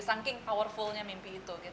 saking powerfulnya mimpi itu